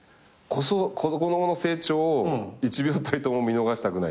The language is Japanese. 子供の成長を１秒たりとも見逃したくない。